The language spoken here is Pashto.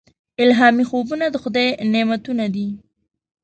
الهامي خوبونه د خدای نعمتونه دي.